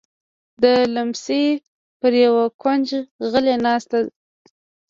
د ليمڅي پر يوه کونج غلې کېناسته.